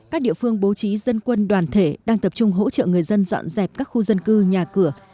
các địa phương bố trí dân quân đoàn thể đang tập trung hỗ trợ người dân dọn dẹp các khu dân cư nhà cửa